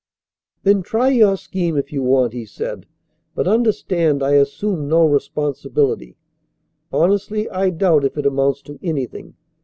"Then try your scheme if you want," he said, "but understand I assume no responsibility. Honestly, I doubt if it amounts to anything.